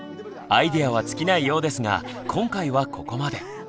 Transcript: アイデアは尽きないようですが今回はここまで。